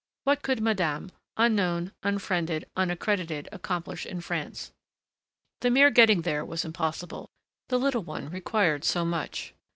What could madame, unknown, unfriended, unaccredited, accomplish in France? The mere getting there was impossible the little one required so much.